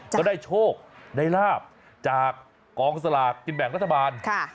ก็ได้โชคได้ลาบจากกองสลากกินแบ่งรัฐบาล